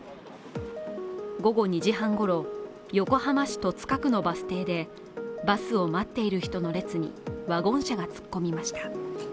午後２時半ごろ、横浜市戸塚区のバス停でバスを待っている人の列にワゴン車が突っ込みました。